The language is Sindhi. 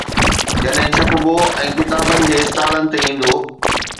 جڏهن ڇپبو ۽ ڪتابن جي اسٽالن تي ايندو.